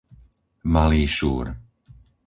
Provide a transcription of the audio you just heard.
Malý Šúr